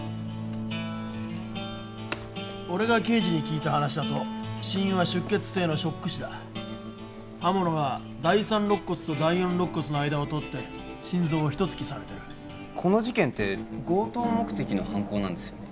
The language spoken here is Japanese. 俺が刑事に聞いた話だと死因は出血性のショック死だ刃物が第３肋骨と第４肋骨の間を通って心臓を一突きされてるこの事件って強盗目的の犯行なんですよね？